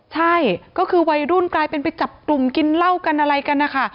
ใช่ก็คือวัยรุ่นกลายเป็นไปจับกลุ่มกินเหล้ากันอะไรกันนะคะ